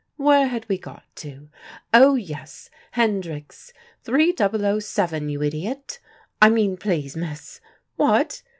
Where had we got to? Oh, yes, Hendrick's: three double o seven, you idiot. I mean, please, miss. What?